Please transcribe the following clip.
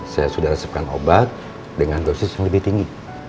saya sudah resepkan obat dengan dosis yang lebih tinggi